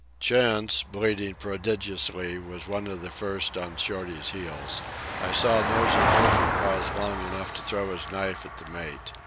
Chantz, bleeding prodigiously, was one of the first on Shorty's heels. I saw Nosey Murphy pause long enough to throw his knife at the mate.